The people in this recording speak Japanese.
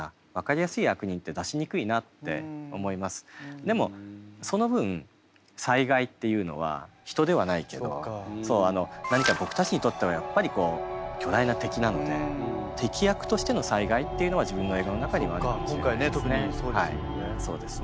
でもその分災害っていうのは人ではないけど何か僕たちにとってはやっぱり巨大な敵なので敵役としての災害っていうのは自分の映画の中にはあるかもしれないですね。